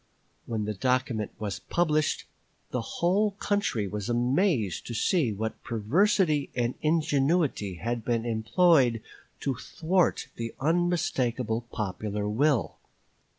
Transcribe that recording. When the document was published the whole country was amazed to see what perversity and ingenuity had been employed to thwart the unmistakable popular will.